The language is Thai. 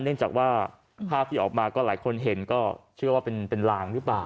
เนื่องจากว่าภาพที่ออกมาก็หลายคนเห็นก็เชื่อว่าเป็นลางหรือเปล่า